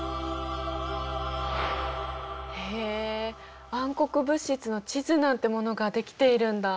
へえ暗黒物質の地図なんてものが出来ているんだあ。